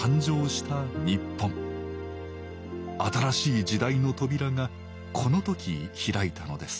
新しい時代の扉がこの時開いたのです